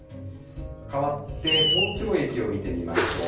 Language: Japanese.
かわって東京駅を見てみましょう。